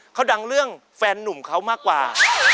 เขาดังเรื่องแฟนนุ่มเขามากกว่า